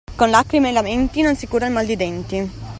Con lacrime e lamenti non si cura il mal di denti.